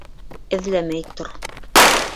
— Эҙләмәй тор.